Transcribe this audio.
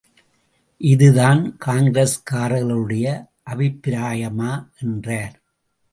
இதுதான் காங்கிரஸ்காரர்களுடைய அபிப்பிராயமா? என்றார்.